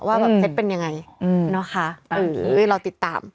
ว่าแบบเซ็ตเป็นยังไงนะคะเราติดตาม